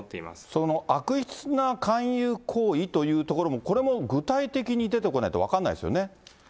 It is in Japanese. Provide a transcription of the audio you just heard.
その悪質な勧誘行為というところも、これも具体的に出てこないと分からないですよね。